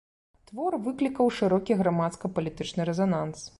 Твор выклікаў шырокі грамадска-палітычны рэзананс.